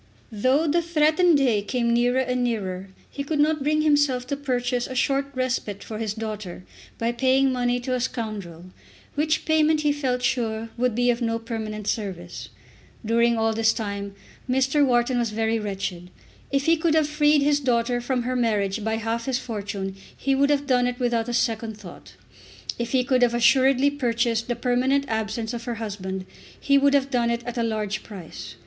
Though the threatened day came nearer and nearer he could not bring himself to purchase a short respite for his daughter by paying money to a scoundrel, which payment he felt sure would be of no permanent service. During all this time Mr. Wharton was very wretched. If he could have freed his daughter from her marriage by half his fortune he would have done it without a second thought. If he could have assuredly purchased the permanent absence of her husband, he would have done it at a large price.